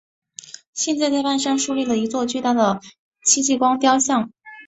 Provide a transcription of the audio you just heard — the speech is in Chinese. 现在在半山竖立了一座巨大的戚继光雕像。